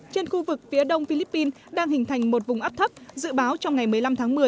trên khu vực phía đông philippines đang hình thành một vùng áp thấp dự báo trong ngày một mươi năm tháng một mươi